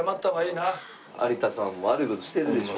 有田さん悪い事してるでしょ？